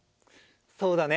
そうだね。